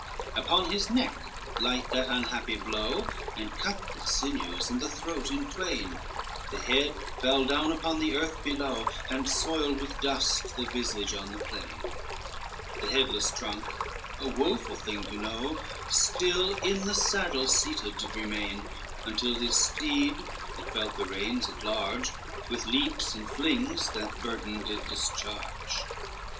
LXX Upon his neck light that unhappy blow, And cut the sinews and the throat in twain, The head fell down upon the earth below, And soiled with dust the visage on the plain; The headless trunk, a woful thing to know, Still in the saddle seated did remain; Until his steed, that felt the reins at large, With leaps and flings that burden did discharge.